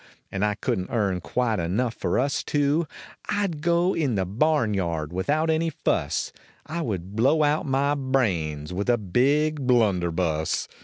And I couldn t earn quite enough for us two, I d go in the barnyard, without any fuss, I would blow out my brains with a big blunderbuss.